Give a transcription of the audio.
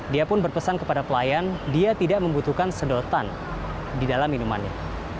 dia pun berpesan kepada pelayan dia tidak membutuhkan sedotan di dalam minumannya